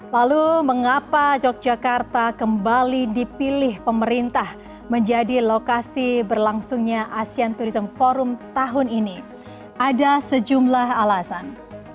lalu mengapa yogyakarta kembali dipilih pemerintah menjadi lokasi berlangsungnya asean tourism forum tahun ini ada sejumlah alasan